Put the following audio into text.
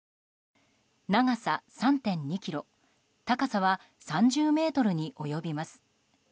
長さ３．２ｋｍ高さは３０ｍに及びます。